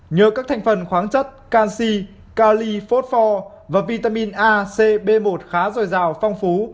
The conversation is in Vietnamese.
nhờ các thành phần khoáng chất canxi cali phốt pho và vitamin a c b một khá dồi dào phong phú